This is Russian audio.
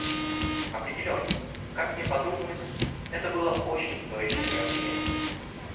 Определенно, как мне подумалось, это было очень стоящее мероприятие.